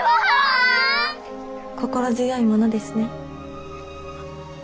心強いものですね。